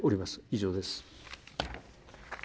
以上です。